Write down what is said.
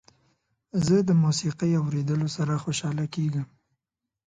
زه د موسيقۍ اوریدلو سره خوشحاله کیږم.